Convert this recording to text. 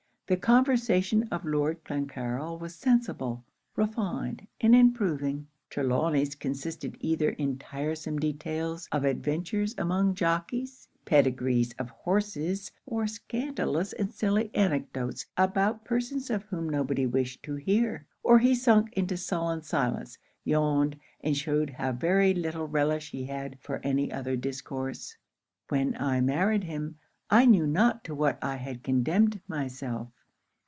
The conversation of Lord Clancarryl was sensible, refined, and improving; Trelawny's consisted either in tiresome details of adventures among jockies, pedigrees of horses, or scandalous and silly anecdotes about persons of whom nobody wished to hear; or he sunk into sullen silence, yawned, and shewed how very little relish he had for any other discourse. 'When I married him, I knew not to what I had condemned myself.